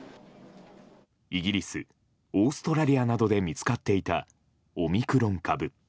イギリス、オーストラリアなどで見つかっていたオミクロン株。